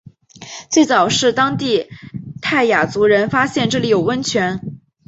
最早是当地泰雅族人发现这里有温泉。